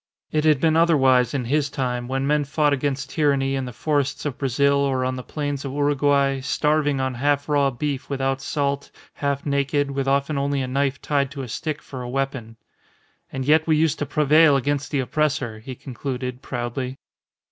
It had been otherwise in his time when men fought against tyranny, in the forests of Brazil, or on the plains of Uruguay, starving on half raw beef without salt, half naked, with often only a knife tied to a stick for a weapon. "And yet we used to prevail against the oppressor," he concluded, proudly.